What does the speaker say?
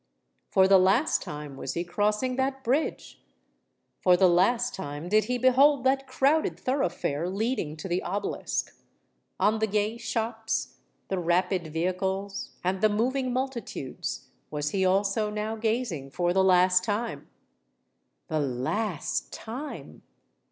For the last time was he crossing that bridge—for the last time did he behold that crowded thoroughfare leading to the obelisk:—on the gay shops, the rapid vehicles, and the moving multitudes, was he also now gazing for the last time! _The last time!